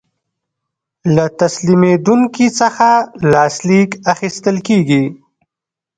له تسلیمیدونکي څخه لاسلیک اخیستل کیږي.